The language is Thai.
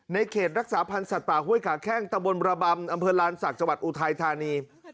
เขตรักษาพันธ์สัตว์ป่าห้วยขาแข้งตะบนระบำอำเภอลานศักดิ์จังหวัดอุทัยธานี